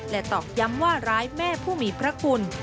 ตอกย้ำว่าร้ายแม่ผู้มีพระคุณ